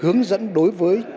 hướng dẫn đối với